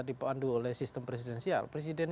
dipandu oleh sistem presidensial presiden